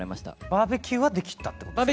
バーベキューはできたってことですか？